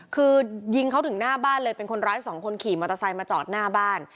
คือยิงเขาถึงหน้าบ้านเลยเป็นคนร้ายสองคนขี่มอเตอร์ไซค์มาจอดหน้าบ้าน